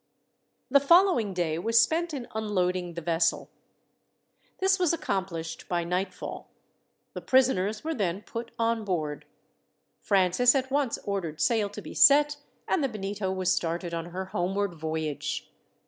The following day was spent in unloading the vessel. This was accomplished by nightfall. The prisoners were then put on board. Francis at once ordered sail to be set, and the Bonito was started on her homeward voyage.